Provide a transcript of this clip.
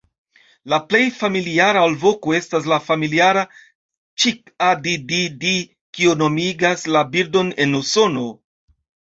La plej familiara alvoko estas la familiara "ĉik-a-di-di-di" kio nomigas la birdon en Usono.